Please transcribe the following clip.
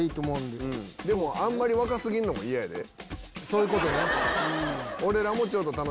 そういうことね。